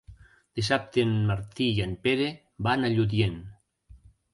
Dissabte en Martí i en Pere van a Lludient.